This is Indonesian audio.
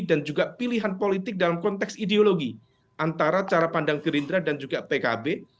dan juga pilihan politik dalam konteks ideologi antara cara pandang gerindra dan juga pkb